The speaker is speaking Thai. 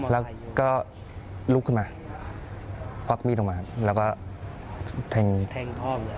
แล้วก็ลุกขึ้นมาควักมีดออกมาแล้วก็แทงพ่อเลย